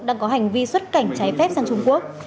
đang có hành vi xuất cảnh trái phép sang trung quốc